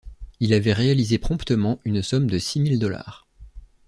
Il avait réalisé promptement une somme de six mille dollars.